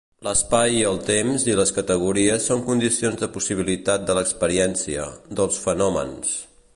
L'espai i el temps i les categories són condicions de possibilitat de l'experiència, dels Fenòmens.